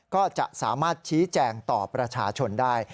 ก็จะสามารถชี้แจงต่อประชาชนได้